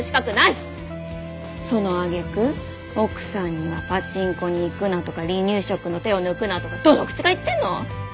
そのあげく奥さんにはパチンコに行くなとか離乳食の手を抜くなとかどの口が言ってんの？